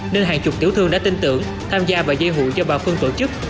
nên hàng chục tiểu thương đã tin tưởng tham gia vào dây hụi cho bà phương tổ chức